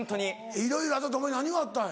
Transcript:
いろいろあったってお前何があったんや？